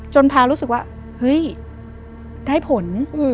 พารู้สึกว่าเฮ้ยได้ผล